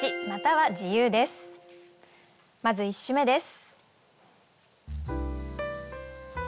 まず１首目です。